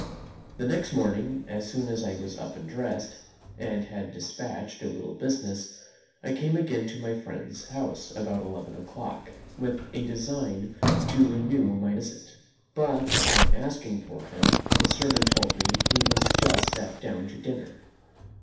The next morning, as soon as I was up and dressed, and had despatched a little business, I came again to my friend's house about eleven o'clock, with a design to renew my visit: but, upon asking for him, his servant told me he was just sat down to dinner.